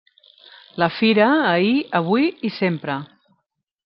La fira ahir, avui i sempre.